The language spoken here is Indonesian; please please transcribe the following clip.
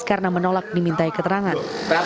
karena menolak dimintai keterangan